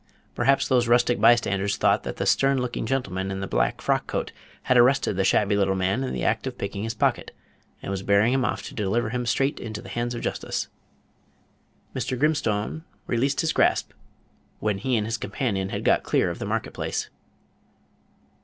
Perhaps those rustic by standers thought that the stern looking gentleman in the black frockcoat had arrested the shabby little man in the act of picking his pocket, and was bearing him off to deliver him straight into the hands of justice. Mr. Grimstone released his grasp when he and his companion had got clear of the market place.